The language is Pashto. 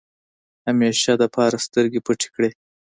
همېشه دپاره سترګې پټې کړې ۔